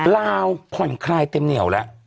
ลาวผ่อนคลายเต็มเหนียวแล้ว